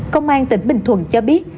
công an tỉnh bình thuận cho biết